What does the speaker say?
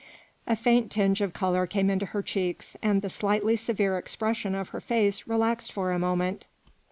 A faint tinge of colour came into her cheeks and the slightly severe expression of her face relaxed for a moment.